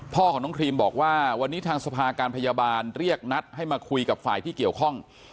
พ่อของน้องครีมบอกว่าวันนี้ทางสภาการพยาบาลเรียกนัดให้มาคุยกับฝ่ายที่เกี่ยวข้อง